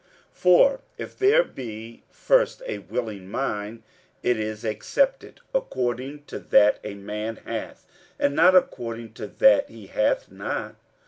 47:008:012 For if there be first a willing mind, it is accepted according to that a man hath, and not according to that he hath not.